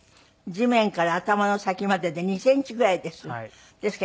地面から頭の先までで２センチぐらいです。